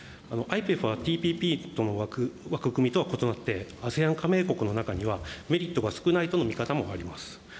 ＩＰＥＦはＴＰＰとの枠組みとは異なって、ＡＳＥＡＮ加盟国の中にはメリットが少ないとの見方もあります。